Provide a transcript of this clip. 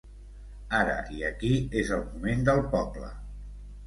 Ara i aquí és el moment del poble.